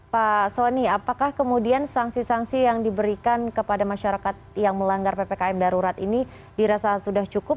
pak soni apakah kemudian sanksi sanksi yang diberikan kepada masyarakat yang melanggar ppkm darurat ini dirasa sudah cukup